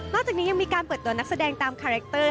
จากนี้ยังมีการเปิดตัวนักแสดงตามคาแรคเตอร์